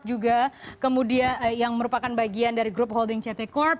juga kemudian yang merupakan bagian dari grup holding ct corp